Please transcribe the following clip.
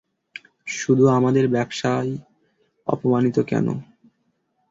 শুধু আমাদের ব্যবসাই অপমানিত কেনো?